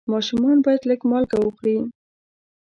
ماشومان باید لږ مالګه وخوري.